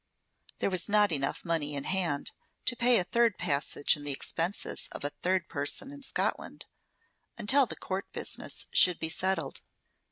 There was not enough money in hand to pay a third passage and the expenses of a third person in Scotland, until the court business should be settled.